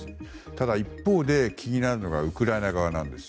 ただ、一方で気になるのがウクライナ側です。